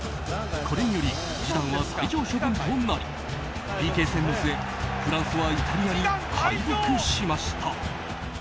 これによりジダンは退場処分となりＰＫ戦の末、フランスはイタリアに敗北しました。